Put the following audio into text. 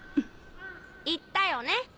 言ったよね？